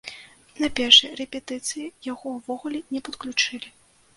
На першай рэпетыцыі яго ўвогуле не падключылі.